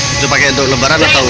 itu pakai untuk lebaran atau